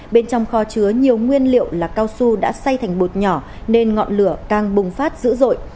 bên trong kho chứa nhiều nguyên liệu là cao su đã xây thành bột nhỏ nên ngọn lửa càng bùng phát dữ dội